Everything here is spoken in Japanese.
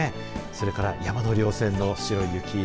それから山の稜線の白い雪。